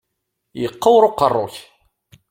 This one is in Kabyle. Yeqqur uqerru-k!